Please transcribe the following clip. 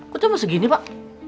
kok kamu segini pak